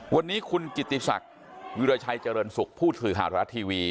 วันนี้คุณกิติศักดิ์วิราชัยเจริญสุขผู้สื่อข่าวไทยรัฐทีวี